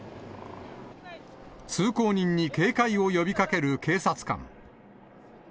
通行人に警戒を呼びかける警察官。